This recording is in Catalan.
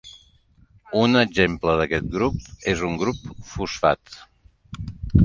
Un exemple d'aquest grup és un grup fosfat.